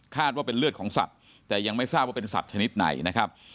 ว่าเป็นเลือดของสัตว์แต่ยังไม่ทราบว่าเป็นสัตว์ชนิดไหนนะครับ